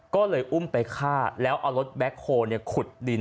ก็เลยอุ้มไปฆ่าแล้วเอารถแบ็คโฮลขุดดิน